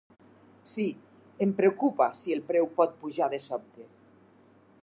Sí, em preocupa si el preu pot pujar de sobte.